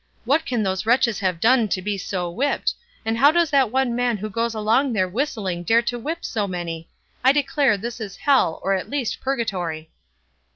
What can those wretches have done to be so whipped; and how does that one man who goes along there whistling dare to whip so many? I declare this is hell, or at least purgatory!"